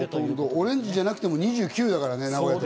オレンジじゃなくても２９だからね。